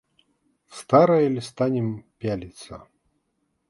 В старое ль станем пялиться?